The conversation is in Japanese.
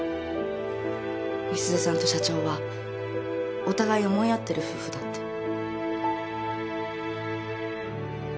美鈴さんと社長はお互いを思い合ってる夫婦だって。